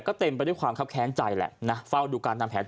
ก็เต็มไปด้วยความคับแค้นใจแหละนะเฝ้าดูการทำแผน